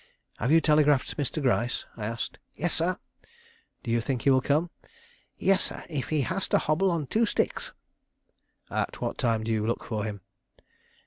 "Have you telegraphed Mr. Gryce?" I asked. "Yes, sir." "Do you think he will come?" "Yes, sir; if he has to hobble on two sticks." "At what time do you look for him?"